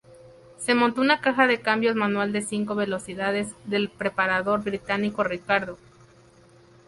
Se montó una caja de cambios manual de cinco velocidades, del preparador británico Ricardo.